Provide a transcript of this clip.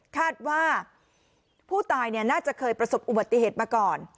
คาดว่าผู้ตายน่าจะเคยประสบอุบัติเหตุมาก่อน